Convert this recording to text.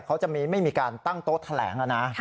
เขาจะไม่มีการตั้งโต๊ะแถลงนะ